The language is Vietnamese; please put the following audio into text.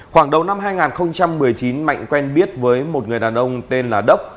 khoảng đầu năm hai nghìn một mươi chín mạnh quen biết với một người đàn ông tên là đốc